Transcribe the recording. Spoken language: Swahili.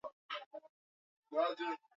Jua limekuwa likiathiri sana kilimo chetu